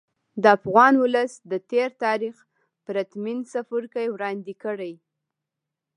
د افغان ولس د تېر تاریخ پرتمین څپرکی وړاندې کړي.